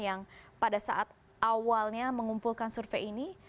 yang pada saat awalnya mengumpulkan survei ini